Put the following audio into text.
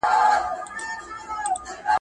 زه ولاړ وم.